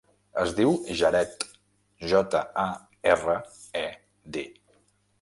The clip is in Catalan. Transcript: Es diu Jared: jota, a, erra, e, de.